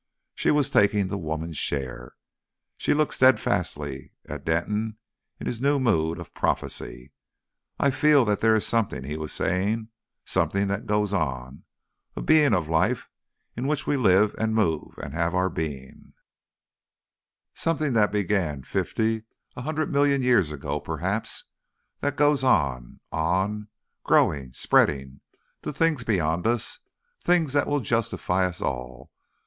She was taking the woman's share. She looked steadfastly at Denton in his new mood of prophecy. "I feel that there is something," he was saying, "something that goes on, a Being of Life in which we live and move and have our being, something that began fifty a hundred million years ago, perhaps, that goes on on: growing, spreading, to things beyond us things that will justify us all....